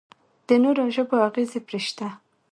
د نورو ژبو اغېز پرې شته.